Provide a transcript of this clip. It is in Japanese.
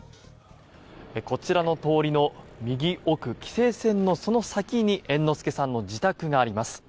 こちらの通りの右奥規制線のその先に猿之助さんの自宅があります。